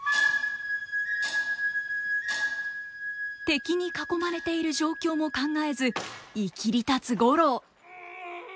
敵に囲まれている状況も考えずいきりたつ五郎。